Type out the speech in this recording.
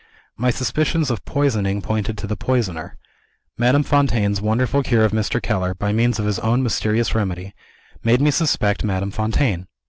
My suspicions of poisoning pointed to the poisoner. Madame Fontaine's wonderful cure of Mr. Keller, by means of her own mysterious remedy, made me suspect Madame Fontaine.